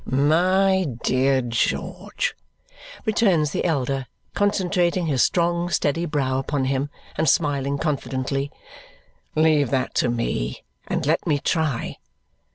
"My dear George," returns the elder, concentrating his strong steady brow upon him and smiling confidently, "leave that to me, and let me try."